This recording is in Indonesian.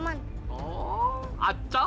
murus satu den